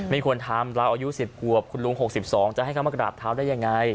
ไม่ควรทำเราอายุ๑๐ขวบคุณลุง๖๒จะให้เขามากราบเท้าได้ยังไง